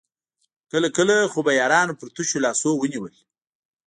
کله کله خو به يارانو پر تشو لاسونو ونيول.